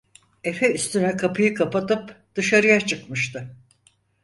Efe üstüne kapıyı kapatıp dışarıya çıkmıştı.